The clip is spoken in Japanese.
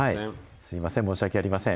すみません、申し訳ありません。